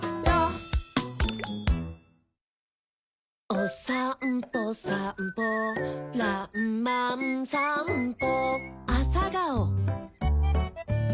「おさんぽさんぽらんまんさんぽ」